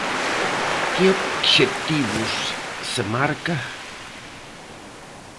Que obxectivos se marca?